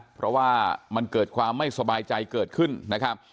เพราะว่ามันเกิดความไม่สบายใจเกิดขึ้นนะครับ